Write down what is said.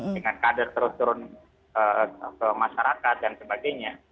dengan kader terus turun ke masyarakat dan sebagainya